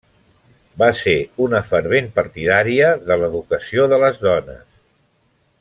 Va ser una fervent partidària de l'educació de les dones.